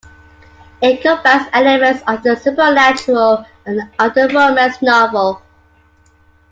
It combines elements of the supernatural and of the romance novel.